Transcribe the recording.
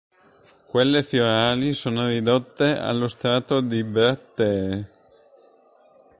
Quelle fiorali sono ridotte allo stato di brattee.